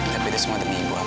tapi itu semua demi ibu aku